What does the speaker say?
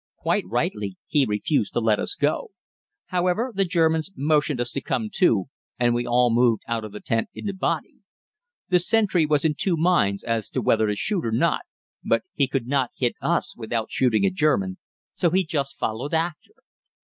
Quite rightly he refused to let us go. However, the Germans motioned us to come too, and we all moved out of the tent in a body. The sentry was in two minds as to whether to shoot or not, but he could not hit us without shooting a German, so he just followed after.